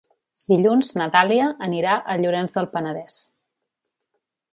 Dilluns na Dàlia anirà a Llorenç del Penedès.